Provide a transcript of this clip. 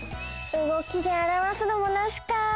うごきであらわすのもナシか。